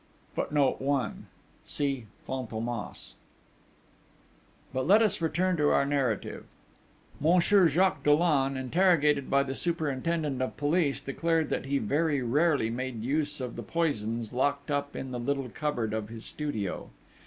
[Footnote 1: See Fantômas.] But let us return to our narrative: Monsieur Jacques Dollon, interrogated by the superintendent of police, declared that he very rarely made use of the poisons locked up in the little cupboard of his studio....